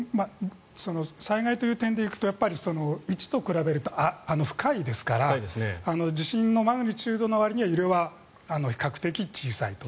最大という点で行くと１と比べると深いですから地震のマグニチュードのわりには揺れは比較的小さいと。